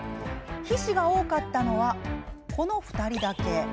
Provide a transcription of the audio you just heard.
皮脂が多かったのはこの２人だけ。